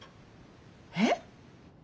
えっ？